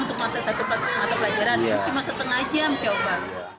seharusnya kan satu jam untuk matah pelajaran ini cuma setengah jam coba